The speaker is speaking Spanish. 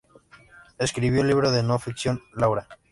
Escribió el libro de no ficción, "Laura.